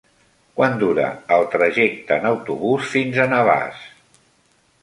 Quant dura el trajecte en autobús fins a Navàs?